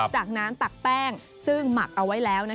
จากนั้นตักแป้งซึ่งหมักเอาไว้แล้ว